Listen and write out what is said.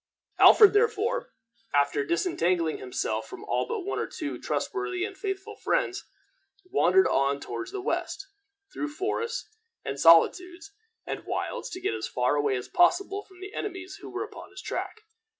Alfred, therefore, after disentangling himself from all but one or two trustworthy and faithful friends, wandered on toward the west, through forests, and solitudes, and wilds, to get as far away as possible from the enemies who were upon his track.